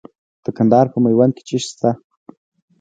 د کندهار په میوند کې څه شی شته؟